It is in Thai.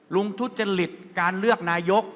ทุจริตการเลือกนายก